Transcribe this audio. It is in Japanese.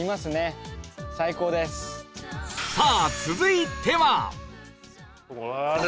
さあ続いては